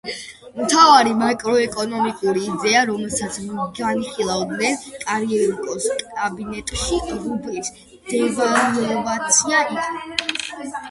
მთავარი მაკროეკონომიკური იდეა, რომელსაც განიხილავდნენ კირიენკოს კაბინეტში, რუბლის დევალვაცია იყო.